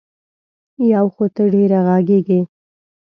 یو خو ته ډېره غږېږې.